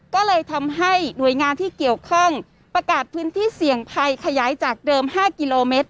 ก็เลยทำให้หน่วยงานที่เกี่ยวข้องประกาศพื้นที่เสี่ยงภัยขยายจากเดิม๕กิโลเมตร